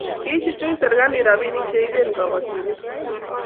kiichuchuch serikalit robinik che iben kiboitinik kwach